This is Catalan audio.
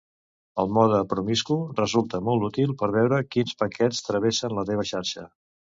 El mode promiscu resulta molt útil per veure quins paquets travessen la teva xarxa.